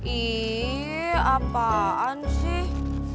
ih apaan sih